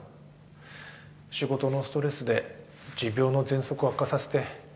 仕事のストレスで持病のぜんそくを悪化させて。